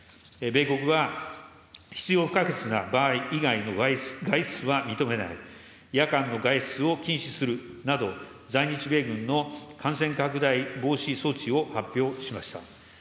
米国は必要不可欠な場合以外の外出は認めない、夜間の外出を禁止するなど、在日米軍の感染拡大防止措置を発表しました。